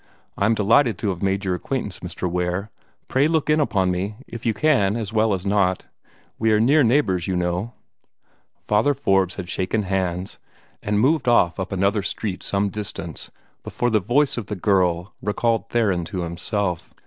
I am delighted to have made your acquaintance, Mr. Ware. Pray look in upon me, if you can as well as not. We are near neighbors, you know." Father Forbes had shaken hands, and moved off up another street some distance, before the voice of the girl recalled Theron to himself.